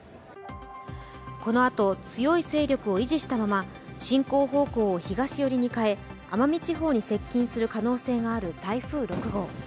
このあと強い勢力を維持したまま進行方向を東寄りに変え、奄美地方に接近する可能性がある台風６号。